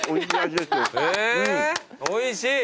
おいしい？